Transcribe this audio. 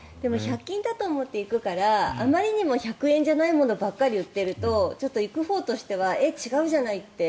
１００均だと思っていくからあまりにも１００円じゃないものばかりで売っていると、行くほうとしてはえっ、違うじゃないって。